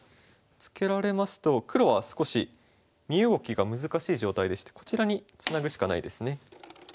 ツケられますと黒は少し身動きが難しい状態でしてこちらにツナぐしかないですね。